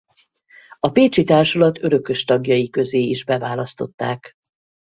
A pécsi társulat örökös tagjai közé is beválasztották.